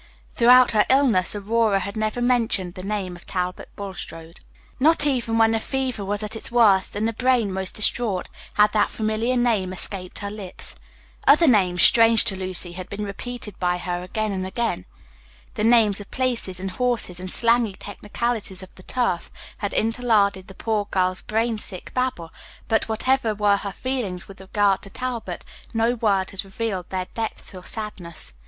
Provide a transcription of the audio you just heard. Throughout her illness, Aurora had never mentioned the name of Talbot Bulstrode. Not even when the fever was at its worst, and the brain most distraught, had that familiar name escaped her lips. Other names, strange to Lucy, had been repeated by her again and again: the names of places and horses, and slangy technicalities of the turf, had interlarded the poor girl's brain sick babble; but, whatever were her feelings with regard to Talbot, no word had revealed their depth or sadness.